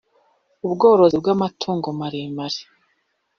Ubworozibw’amatungo maremare